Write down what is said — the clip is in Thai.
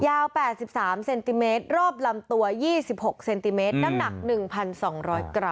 ยาว๘๓เซนติเมตรรอบลำตัว๒๖เซนติเมตรน้ำหนัก๑๒๐๐กรัม